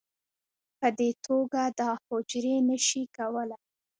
په دې توګه دا حجرې نه شي کولی